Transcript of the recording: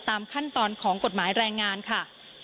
ตามขั้นตอนของกฎหมายแรงงานค่ะ